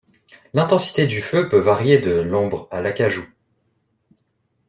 L'intensité du feu peut varier de l’ambre à l'acajou.